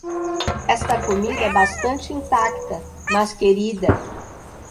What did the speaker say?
Esta comida é bastante intacta, mas querida.